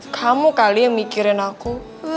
kamu kali yang mikirin aku